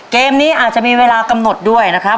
เกมนี้อาจจะมีเวลากำหนดด้วยนะครับ